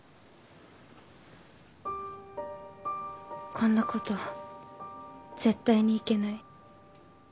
こんなこと絶対にいけない